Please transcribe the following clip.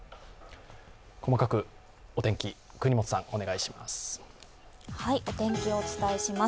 細かくお天気、國本さん、お願いします。